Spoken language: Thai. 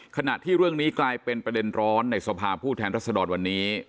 ขณะที่เรื่องนี้กลายเป็นประเด็นร้อนในสภาพผู้แทนรัศดรวันนี้